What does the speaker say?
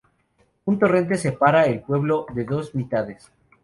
Un torrente separa el pueblo en dos mitades.